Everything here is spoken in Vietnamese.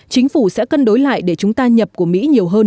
chính phủ sẽ cân đối lại để chúng ta nhập của mỹ nhiều hơn